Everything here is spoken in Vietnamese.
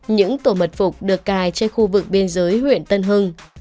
những tổ mật phục được cài trên khu vực biên giới huyện tân hưng